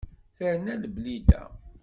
Terna Leblida.